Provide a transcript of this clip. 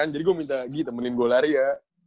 jadi gue minta gi temenin gue lari ya